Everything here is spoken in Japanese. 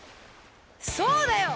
そうだよ！